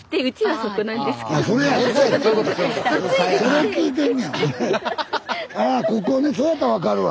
それやったら分かるわ。